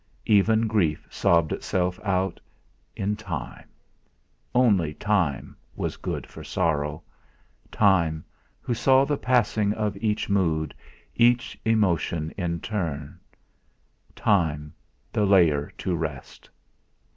Even grief sobbed itself out in time; only Time was good for sorrow Time who saw the passing of each mood, each emotion in turn; Time the layer to rest.